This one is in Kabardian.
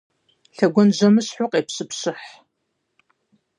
Лъэгуажьэмыщхьэу къепщэпщыхь.